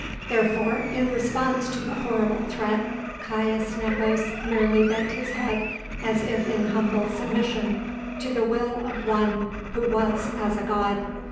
Therefore, in response to the horrible threat, Caius Nepos merely bent his head as if in humble submission to the will of one who was as a god.